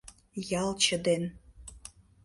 Ялче ден